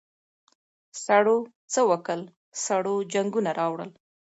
سړو څه وکل سړو جنګونه راوړل.